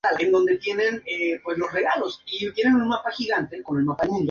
Realizó un curso de paracaidista.